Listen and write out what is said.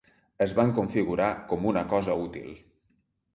Es van configurar com una cosa útil.